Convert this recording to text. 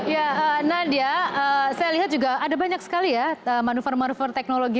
ya nadia saya lihat juga ada banyak sekali ya manuver manuver teknologi